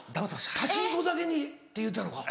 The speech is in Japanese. パチンコだけにって言うてたのか。